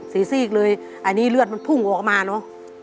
ซีซีกเลยอันนี้เลือดมันพุ่งออกมาเนอะ